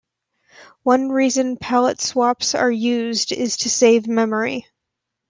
One reason palette swaps are used is to save memory.